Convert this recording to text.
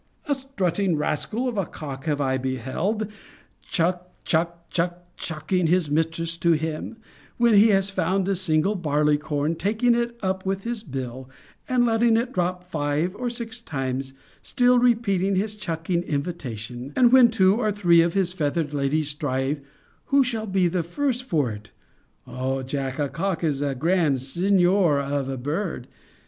A strutting rascal of a cock have I beheld chuck, chuck, chuck, chuck ing his mistress to him, when he has found a single barley corn, taking it up with his bill, and letting it drop five or six times, still repeating his chucking invitation: and when two or three of his feathered ladies strive who shall be the first for it [O Jack! a cock is a grand signor of a bird!